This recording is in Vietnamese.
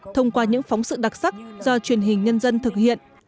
thông qua những phóng sự đặc sắc do truyền hình nhân dân thực hiện